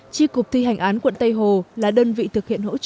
tri cục thi hành án quận tây hồ là đơn vị thực hiện hỗ trợ